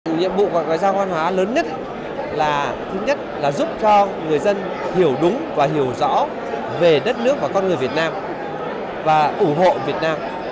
nhiệm vụ ngoại giao văn hóa lớn nhất là giúp cho người dân hiểu đúng và hiểu rõ về đất nước và con người việt nam và ủ hộ việt nam